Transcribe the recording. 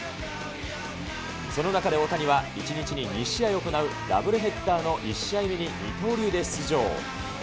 その中で大谷は、１日に２試合を行うダブルヘッダーの１試合目に二刀流で出場。